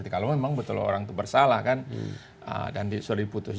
kalau memang betul orang itu bersalah kan dan sudah diputus